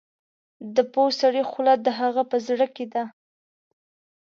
د پوه سړي خوله د هغه په زړه کې ده.